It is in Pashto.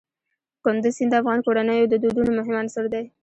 کندز سیند د افغان کورنیو د دودونو مهم عنصر دی.